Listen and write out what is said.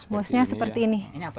mosnya seperti ini